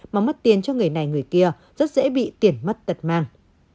mà mất tiền cho người này người kia rất dễ bị tiền mất tật mang